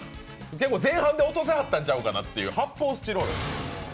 結構前半で落としはったんじゃないかということで発泡スチロール。